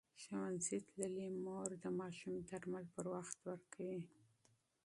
ښوونځې تللې مور د ماشوم درمل پر وخت ورکوي.